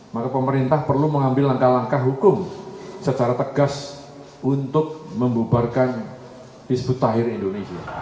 maka pemerintah perlu mengambil langkah langkah hukum secara tegas untuk membubarkan bisbut tahir indonesia